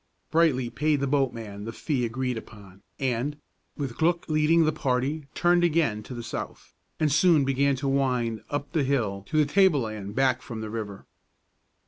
Brightly paid the boatman the fee agreed upon, and, with Glück leading, the party turned again to the south, and soon began to wind up the hill to the tableland back from the river.